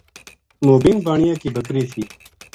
موبین بانیا کی بکری تھی